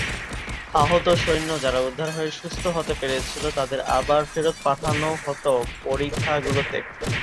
আহত সৈন্য যারা উদ্ধার হয়ে সুস্থ হতে পেরেছিল তাদের আবার ফেরত পাঠানো হতো পরিখা গুলোতে।